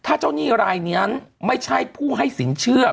ถ้าเจ้าหนี้รายนั้นไม่ใช่ผู้ให้สินเชื่อ